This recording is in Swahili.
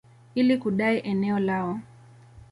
ili kudai eneo lao.